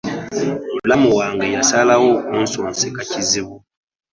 Mulamu wange yasalawo kunsonseka kibuuzo